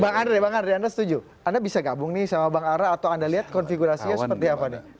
bang andre bang andre anda setuju anda bisa gabung nih sama bang ara atau anda lihat konfigurasinya seperti apa nih